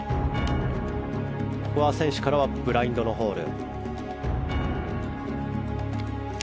ここは選手からはブラインドのホール。